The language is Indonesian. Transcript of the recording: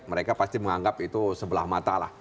mereka pasti menganggap itu sebelah mata lah